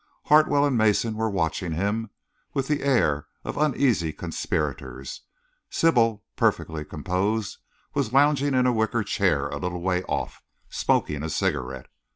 Hartwell and Mason were watching him with the air of uneasy conspirators. Sybil, perfectly composed, was lounging in a wicker chair a little way off, smoking a cigarette.